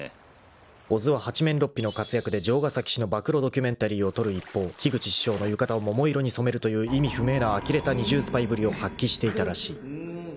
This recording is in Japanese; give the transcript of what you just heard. ［小津は八面六臂の活躍で城ヶ崎氏の暴露ドキュメンタリーを撮る一方樋口師匠の浴衣を桃色に染めるという意味不明なあきれた二重スパイぶりを発揮していたらしい］